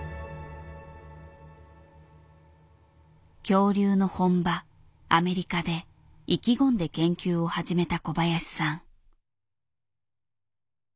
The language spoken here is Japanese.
恐竜の本場アメリカで意気込んで研究を始めた小林さん。